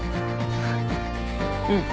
うん。